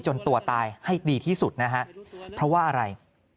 ตัวตายให้ดีที่สุดนะฮะเพราะว่าอะไร